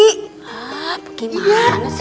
hah bagaimana sih